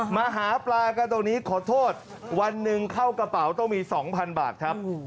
มาหาปลากันตรงนี้ขอโทษวันหนึ่งเข้ากระเป๋าต้องมี๒๐๐บาทครับ